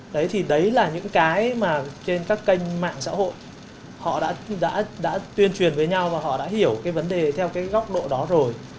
đấy thì đấy là những cái mà trên các kênh mạng xã hội họ đã tuyên truyền với nhau và họ đã hiểu cái vấn đề theo cái góc độ đó rồi